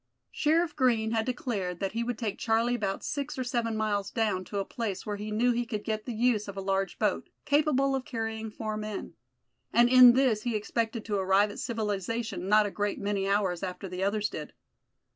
Sheriff Green had declared that he would take Charlie about six or seven miles down to a place where he knew he could get the use of a large boat, capable of carrying four men; and in this he expected to arrive at civilization not a great many hours after the others did.